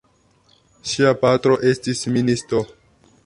Ŝia patro estis ministo.